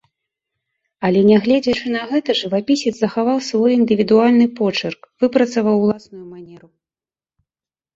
Але, нягледзячы на гэта, жывапісец захаваў свой індывідуальны почырк, выпрацаваў уласную манеру.